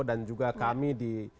dan juga kami di